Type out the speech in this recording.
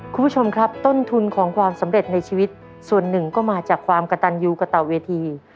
คุณผู้ชมครับต้นทุนของความสำเร็จในชีวิตส่วนหนึ่งก็มาจากความกระตันยูกระตะเวที